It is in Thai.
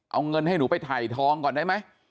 เอาเงินให้หนูไปถ่ายทองก่อนได้ไหม